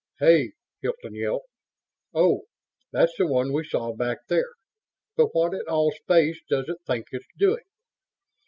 "Hey!" Hilton yelped. "Oh that's the one we saw back there. But what in all space does it think it's doing?"